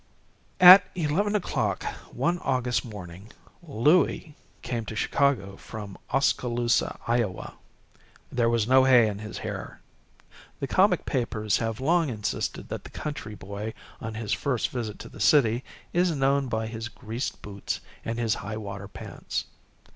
At eleven o'clock one August morning, Louie came to Chicago from Oskaloosa, Iowa. There was no hay in his hair. The comic papers have long insisted that the country boy, on his first visit to the city, is known by his greased boots and his high water pants.